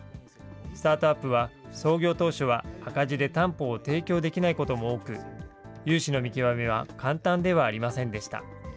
スタートアップは創業当初は赤字で担保を提供できないことも多く、融資の見極めは簡単ではありませんでした。